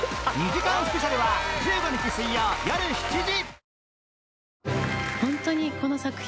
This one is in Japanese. ２時間スペシャルは１５日水曜よる７時